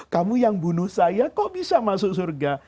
kamu yang bunuh saya kok bisa masuk surga